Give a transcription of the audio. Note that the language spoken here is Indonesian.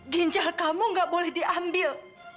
ginjal kamu gak boleh diambil